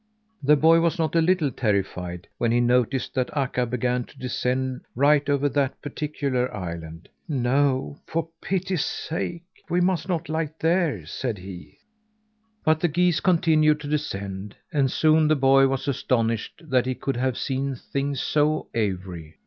The boy was not a little terrified when he noticed that Akka began to descend right over that particular island! "No, for pity's sake! We must not light there," said he. But the geese continued to descend, and soon the boy was astonished that he could have seen things so awry.